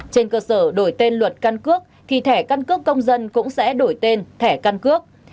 trên cơ sở đổi tên luật căn cước thì thẻ căn cước công dân cũng sẽ đổi tên thẻ căn cước